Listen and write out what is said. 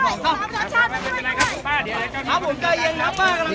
ก็ไม่มีใครกลับมาเมื่อเวลาอาทิตย์เกิดขึ้น